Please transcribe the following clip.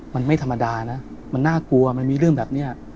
มันไม่ธรรมดานะมันน่ากลัวมันมีเรื่องแบบนี้